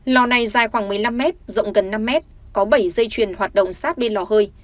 lò này dài khoảng một mươi năm mét rộng gần năm mét có bảy dây chuyền hoạt động sát bên lò hơi